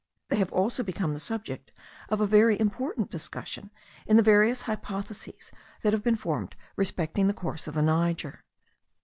They have also become the subject of a very important discussion, in the various hypotheses that have been formed respecting the course of the Niger.